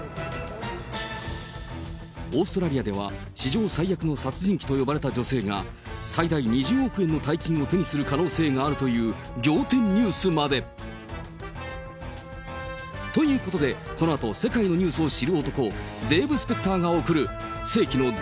オーストラリアでは史上最悪の殺人鬼と呼ばれた女性が、最大２０億円の大金を手にする可能性があるという、仰天ニュースまで。ということで、このあと、「ビオレ」のまさつレス洗顔？